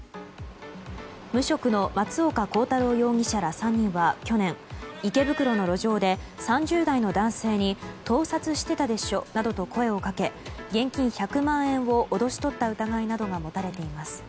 無職の松岡洸太郎容疑者ら３人は去年、池袋の路上で３０代の男性に盗撮してたでしょなどと声をかけ現金１００万円を脅し取った疑いなどが持たれています。